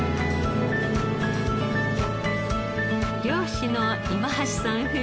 漁師の今橋さん